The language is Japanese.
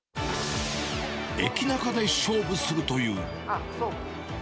駅ナカで勝負するという。